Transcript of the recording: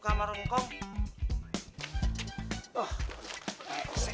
keluar keluar keluar keluar